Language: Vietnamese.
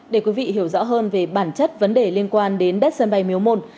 để quý vị hiểu rõ hơn về bản chất vấn đề liên quan đến đất sân bay miếu môn